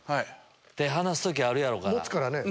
手離す時あるやろうから。